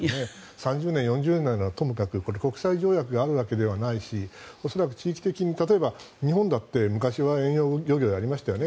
３０年、４０年ならともかく国際条約があるわけではないし恐らく、地域的に例えば、日本だって昔は遠洋漁業やりましたよね。